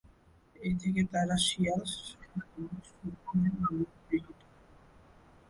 এই থেকে তারা শিয়াল, শার্ক এবং শকুন নামে পরিচিত হয়।